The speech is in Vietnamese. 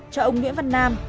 cho ông nguyễn văn nam